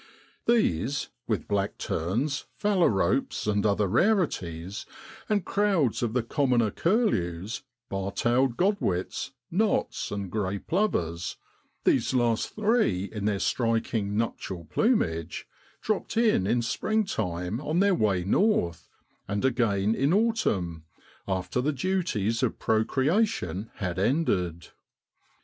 These, with black terns, phalaropes, and other rarities, and crowds of the commoner curlews, bartailed godwits, knots, and grey plovers these last three in their striking nuptial plumage dropped in in springtime on their way north, and again in autumn, after the duties of procreation had ended.